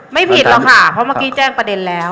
ไม่ผิดหรอกค่ะเพราะเมื่อกี้แจ้งประเด็นแล้ว